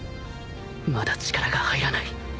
まだ力が入らない